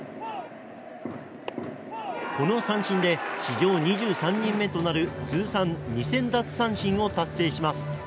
この三振で史上２３人目となる通算２０００奪三振を達成します。